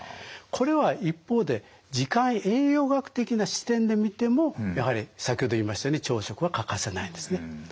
これは一方で時間栄養学的な視点で見てもやはり先ほど言いましたように朝食は欠かせないんですね。